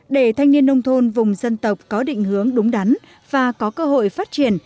để thanh niên nông thôn vùng dân tộc có định hướng đúng đắn và có cơ hội phát triển